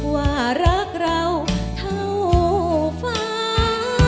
ว่ารักเราเท่าฟ้า